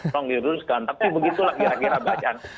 tolong diluruskan tapi begitulah kira kira bacaan